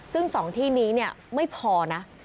ซึ่ง๒ที่นี้ไม่พอนะ